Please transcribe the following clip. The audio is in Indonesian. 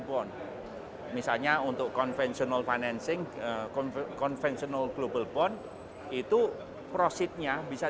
bond misalnya untuk konvensional financing conventional global bond itu profitnya bisa